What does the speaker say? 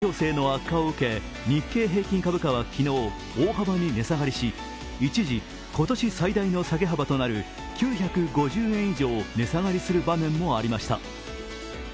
ウクライナ情勢の悪化を受け、日経平均株価は昨日、大幅に値下がりし一時、今年最大の下げ幅となる９５０円以上値下がりする場面もありました。